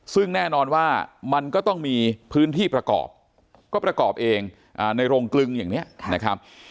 ซึ่งแน่นอนว่ามันก็ต้องมีพื้นที่ประกอบก็ประกอบเองในโรงกลึงอย่างนี้นะครับ